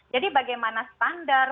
jadi bagaimana standar